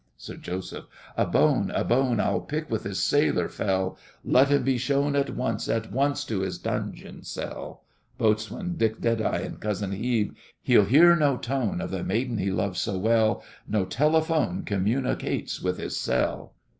SIR JOSEPH. A bone, a bone I'll pick with this sailor fell; Let him be shown at once At once to his dungeon cell. BOATSWAIN, DICK DEADEYE, and COUSIN HEBE He'll hear no tone Of the maiden he loves so well! No telephone Communicates with his cell!